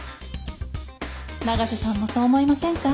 永瀬さんもそう思いませんか？